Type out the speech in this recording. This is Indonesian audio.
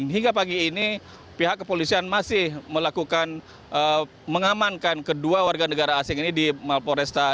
hingga pagi ini pihak kepolisian masih melakukan mengamankan kedua warga negara asing ini di malporesta